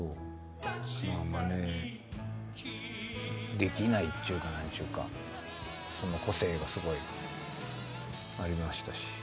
あまねできないっちゅうか何ちゅうかその個性がすごいありましたし。